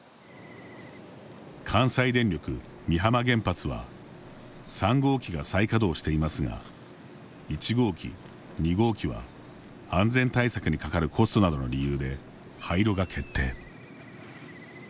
関西電力・美浜原発は３号機が再稼働していますが１号機、２号機は安全対策にかかるコストなどの理由で廃炉が決定。